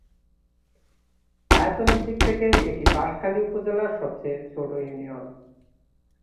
আয়তনের দিক থেকে এটি বাঁশখালী উপজেলার সবচেয়ে ছোট ইউনিয়ন।